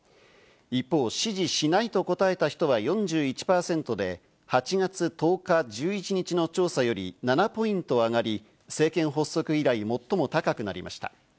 一方、支持しないと答えた人は４１％で８月１０日、１１日の調査より７ポイント上がり政権発足以来、最も高くなりました。